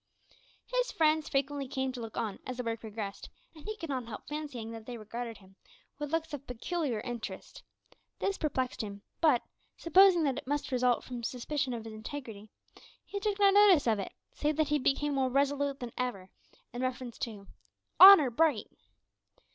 His friends frequently came to look on, as the work progressed, and he could not help fancying that they regarded him with looks of peculiar interest. This perplexed him, but, supposing that it must result from suspicion of his integrity, he took no notice of it, save that he became more resolute than ever in reference to "honour bright!"